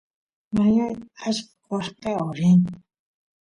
ñañay achka qoshqeo rin